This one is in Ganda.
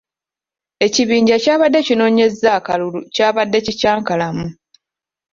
Ekibinja kyabadde kinnoonyeza akalulu kyabadde kikyankalamu.